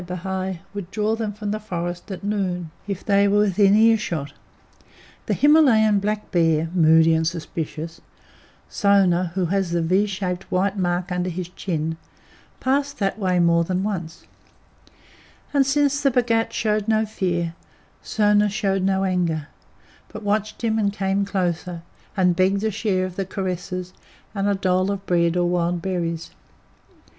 Bhai!" would draw them from the forest at noon if they were within ear shot. The Himalayan black bear, moody and suspicious Sona, who has the V shaped white mark under his chin passed that way more than once; and since the Bhagat showed no fear, Sona showed no anger, but watched him, and came closer, and begged a share of the caresses, and a dole of bread or wild berries.